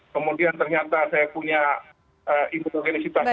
kemudian ternyata saya punya imunogenesis vaksin